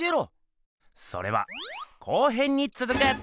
それは後編につづく！